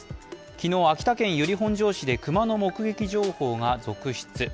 昨日、秋田県由利本荘市で熊の目撃情報が続出。